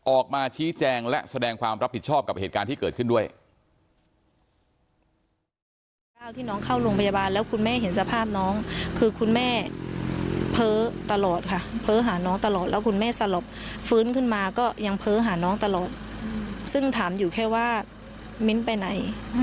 ออกมาชี้แจงและแสดงความรับผิดชอบกับเหตุการณ์ที่เกิดขึ้นด้วย